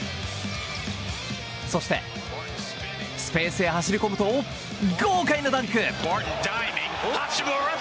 そして、スペースへ走り込むと豪快なダンク！